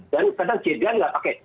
dan kadang tidak pakai